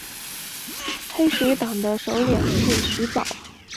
黑水党的首领是徐保。